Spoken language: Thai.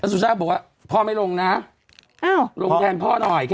สุชาติบอกว่าพ่อไม่ลงนะลงแทนพ่อหน่อยแค่